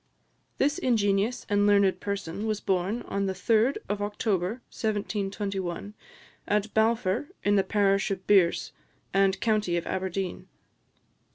This ingenious and learned person was born on the 3d of October 1721, at Balfour, in the parish of Birse, and county of Aberdeen.